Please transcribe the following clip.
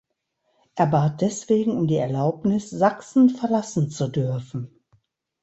Er bat deswegen um die Erlaubnis, Sachsen verlassen zu dürfen.